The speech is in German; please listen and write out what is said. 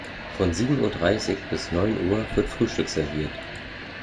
Von sieben Uhr dreißig bis neun Uhr wird Frühstück serviert.